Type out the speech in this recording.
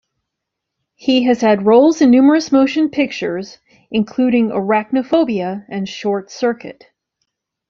He has had roles in numerous motion pictures including "Arachnophobia" and "Short Circuit".